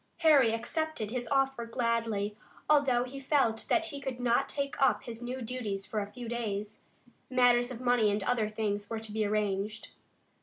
Harry accepted his offer gladly, although he felt that he could not take up his new duties for a few days. Matters of money and other things were to be arranged.